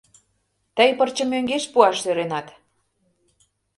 Тый пырчым мӧҥгеш пуаш сӧренат?